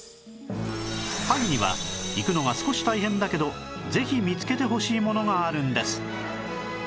萩には行くのは少し大変だけどぜひ見つけてほしいものがあるんです